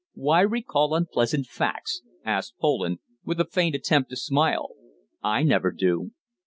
"Why recall unpleasant facts?" asked Poland, with a faint attempt to smile. "I never do."